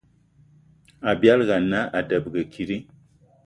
Abialga ana a debege kidi?